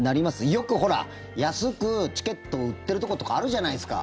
よくほら、安くチケットを売ってるところとかあるじゃないですか。